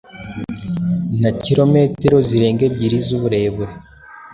na kilometero zirenga ebyiri z’uburebure.